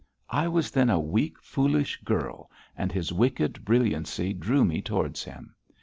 I was then a weak, foolish girl, and his wicked brilliancy drew me towards him.